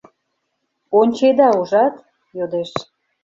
— Ончеда, ужат? — йодеш.